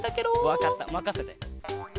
わかったまかせて！